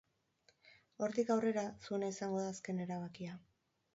Hortik aurrera, zuena izango da azken erabakia.